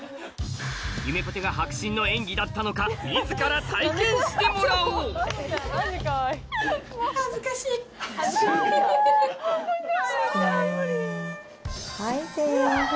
ゆめぽてが迫真の演技だったのか自ら体験してもらおう吐いてフ。